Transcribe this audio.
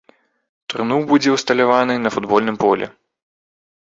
Труну будзе ўсталяваны на футбольным полі.